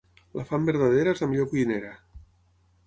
La fam verdadera és la millor cuinera.